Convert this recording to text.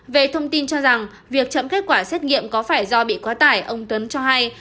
về thông tin cho rằng việc chậm kết quả xét nghiệm có phải do bị quá tải ông tuấn cho hay